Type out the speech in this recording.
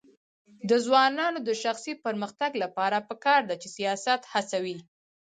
د ځوانانو د شخصي پرمختګ لپاره پکار ده چې سیاحت هڅوي.